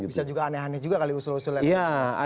bisa juga aneh aneh juga kali usul usulnya